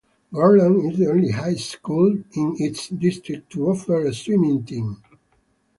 Garland is the only high school in its district to offer a swimming team.